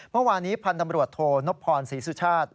เมื่อวานี้พันธมรวชโทนพศรีสุฌาติ